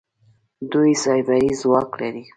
دوی سايبري ځواک لري.